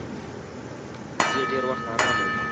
وزې ډېر وخت آرامه وي